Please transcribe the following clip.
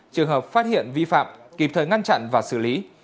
trường hợp phát hiện vi phạm kịp thời ngăn chặn và xử lý